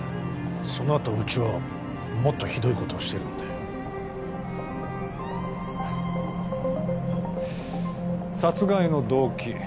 そのあとうちはもっとひどいことをしているので殺害の動機